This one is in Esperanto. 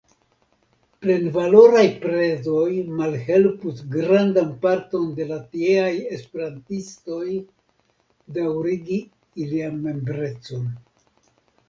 Plenvaloraj prezoj malhelpus grandan parton de la tieaj Esperantistoj daŭrigi ilian membrecon.